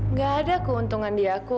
nggak ada keuntungan di aku